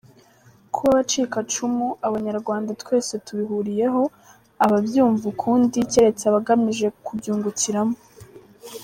Kuba abacikacumu, Abanyarwanda twese tubihuriyeho; ababyumva ukundi keretse abagamije kubyungukiramo.